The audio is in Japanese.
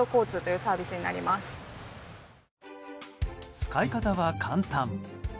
使い方は簡単。